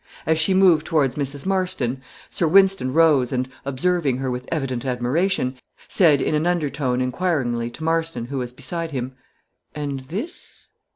As she moved towards Mrs. Marston, Sir Wynston rose, and, observing her with evident admiration, said in an undertone, inquiringly, to Marston, who was beside him "And this?"